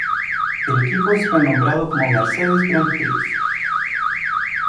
El equipo es renombrado como Mercedes Grand Prix.